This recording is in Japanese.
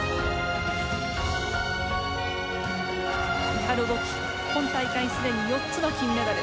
イハル・ボキ今大会すでに４つの金メダル。